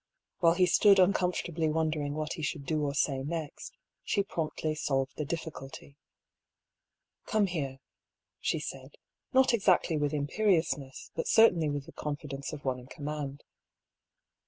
"While he stood uncomfortably wondering what he should do or say next, she promptly solved the difficulty. " Come here," she said, not exactly with imperious ness, but certainly with the confidence of one in com mand.